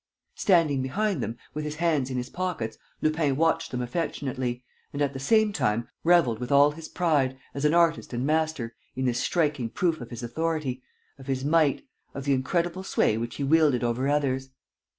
..." Standing behind them, with his hands in his pockets, Lupin watched them affectionately and, at the same time, revelled with all his pride, as an artist and master, in this striking proof of his authority, of his might, of the incredible sway which he wielded over others.